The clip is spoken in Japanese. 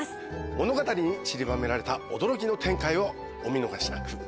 物語にちりばめられた驚きの展開をお見逃しなく。